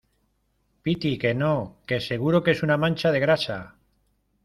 piti, que no , que seguro que es una mancha de grasa.